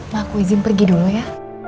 pak aku izin pergi dulu ya